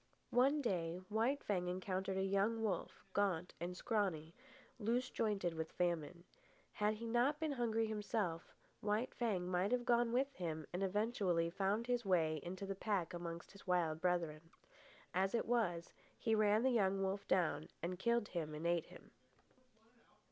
One day While Fang encountered a young wolf, gaunt and scrawny, loose jointed with famine. Had he not been hungry himself, White Fang might have gone with him and eventually found his way into the pack amongst his wild brethren. As it was, he ran the young wolf down and killed and ate him.